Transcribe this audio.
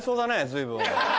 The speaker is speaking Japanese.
随分。